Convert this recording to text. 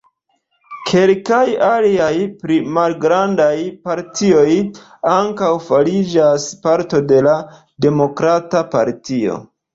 Kelkaj aliaj pli malgrandaj partioj ankaŭ fariĝis parto de la Demokrata Partio.